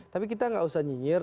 tapi kita nggak usah nyinyir